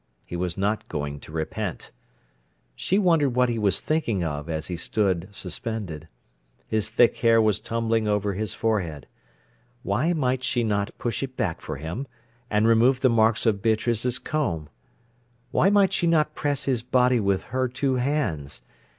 He was not going to repent. She wondered what he was thinking of as he stood suspended. His thick hair was tumbled over his forehead. Why might she not push it back for him, and remove the marks of Beatrice's comb? Why might she not press his body with her two hands.